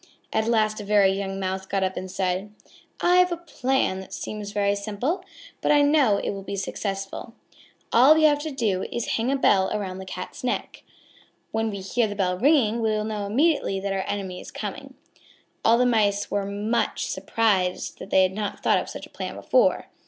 At last a very young Mouse got up and said: "I have a plan that seems very simple, but I know it will be successful. All we have to do is to hang a bell about the Cat's neck. When we hear the bell ringing we will know immediately that our enemy is coming." All the Mice were much surprised that they had not thought of such a plan before.